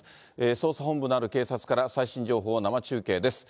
捜査本部のある警察から、最新情報を生中継です。